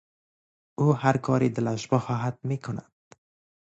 او هر کاری دلش بخواهد میکند.